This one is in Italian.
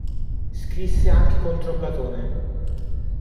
Scrisse anche contro Platone.